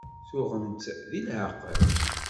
Tuɣem-tt deg leɛqel?